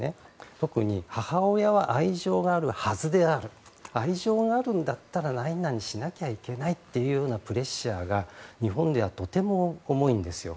特に母親は愛情があるはずである愛情があるんだったら何々しなきゃいけないというプレッシャーが日本ではとても重いんですよ。